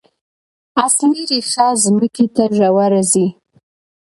اصلي ریښه ځمکې ته ژوره ځي